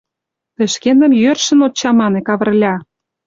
— Тый шкендым йӧршын от чамане, Кавырля!